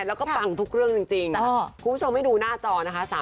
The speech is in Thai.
แล้วก็ปังทุกเรื่องจริงคุณผู้ชมให้ดูหน้าจอนะคะ